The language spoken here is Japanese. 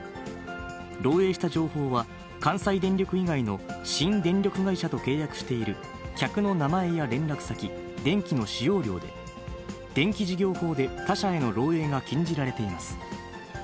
漏えいした情報は、関西電力以外の新電力会社と契約している客の名前や連絡先、電気の使用量で、電気事業法で他者への漏えいが禁じられています。